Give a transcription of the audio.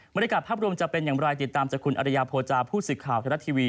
บรรยากาศพรับรวมจะเป็นอย่างไรติดตามจากคุณอรยาโพจาผู้สิทธิ์ข่าวธรรมดาทีวี